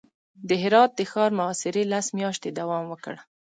د هرات د ښار محاصرې لس میاشتې دوام وکړ.